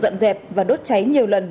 dọn dẹp và đốt cháy nhiều lần